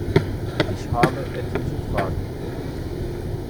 Ich habe etliche Fragen.